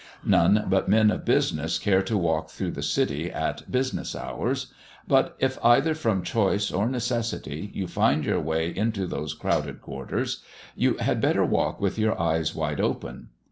None but men of business care to walk through the City at business hours; but if, either from choice or necessity, you find your way into those crowded quarters, you had better walk with your eyes wide open.